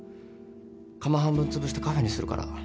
窯半分つぶしてカフェにするから。